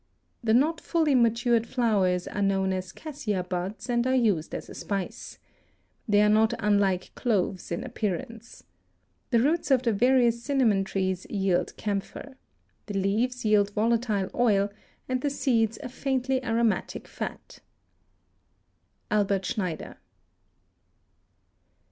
The not fully matured flowers are known as cassia buds and are used as a spice. They are not unlike cloves in appearance. The roots of the various cinnamon trees yield camphor. The leaves yield volatile oil and the seeds a faintly aromatic fat. Albert Schneider.